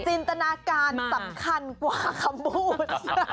จินตนาการสำคัญกว่าคำพูด